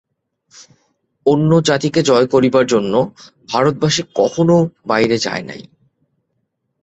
অন্য জাতিকে জয় করিবার জন্য ভারতবাসী কখনও বাহিরে যায় নাই।